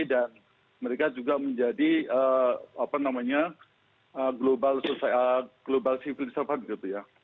dan mereka juga menjadi global civilisator